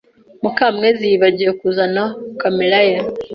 Mukamwezi yibagiwe kuzana kamera ye.